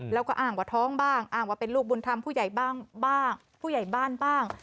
แล้วก็อ้างว่าท้องบ้างอ้างว่าเป็นลูกบุญธรรมผู้ใหญ่บ้างผู้ใหญ่บ้านบ้าง